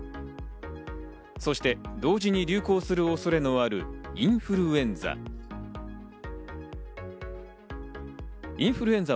そして同時に流行する恐れのあるインフルエンザ。